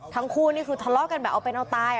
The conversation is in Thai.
ทั้งคู่นี่คือทะเลาะกันแบบเอาเป็นเอาตาย